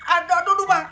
aduh aduh aduh bang